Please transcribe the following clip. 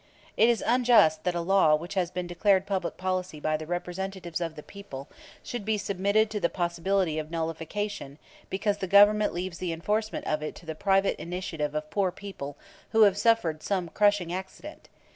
It is unjust that a law which has been declared public policy by the representatives of the people should be submitted to the possibility of nullification because the Government leaves the enforcement of it to the private initiative of poor people who have just suffered some crushing accident.